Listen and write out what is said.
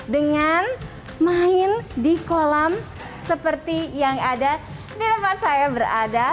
dengan main di kolam seperti yang ada di tempat saya berada